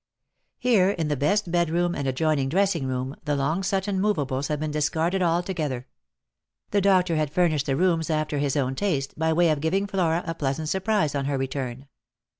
Here, in the best bedroom and adjoining dressing room, the Long Sutton movables had been discarded altogether. The doctor had furnished the rooms after his own taste, by way of giving Flora a pleasant surprise on her return.